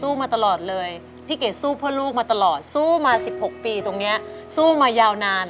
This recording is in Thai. มาตลอดเลยพี่เกดสู้เพื่อลูกมาตลอดสู้มา๑๖ปีตรงนี้สู้มายาวนาน